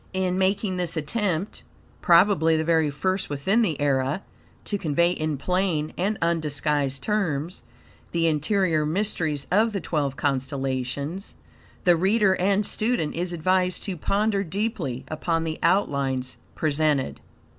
In making this attempt, probably the very first within the era, to convey in plain and undisguised terms the interior mysteries of the twelve constellations, the reader and student is advised to ponder deeply upon the outlines presented.